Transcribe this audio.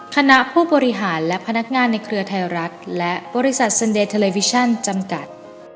คณะผู้บริหารและพนักงานในเครือไทยรัฐและบริษัทเซ็นเดเทอร์เลวิชั่นจำกัด